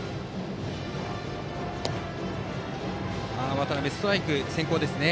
渡邉、ストライク先行ですね。